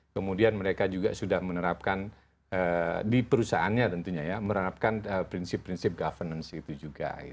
kemudian mereka juga sudah menerapkan di perusahaannya tentunya ya menerapkan prinsip prinsip governance itu juga